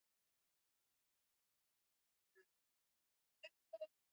ازادي راډیو د تعلیم پر وړاندې یوه مباحثه چمتو کړې.